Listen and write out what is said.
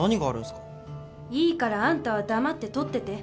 いいからあんたは黙って撮ってて。